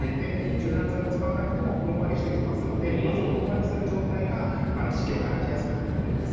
柔軟剤を使わなくてもふんわりしてきますのでふんわりする状態が湿気を放ちやすくなります。